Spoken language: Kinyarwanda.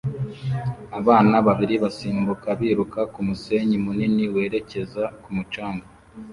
Abana babiri basimbuka biruka kumusenyi munini werekeza ku mucanga